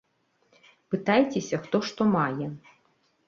Пытайцеся, хто што мае.